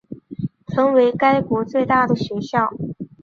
成为该国最大的学校。